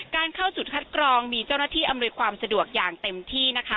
การเข้าจุดคัดกรองมีเจ้าหน้าที่อำนวยความสะดวกอย่างเต็มที่นะคะ